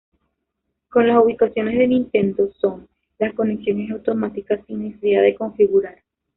Con las ubicaciones de Nintendo Zone, la conexión es automática sin necesidad de configurar.